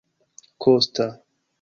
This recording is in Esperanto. Kosta!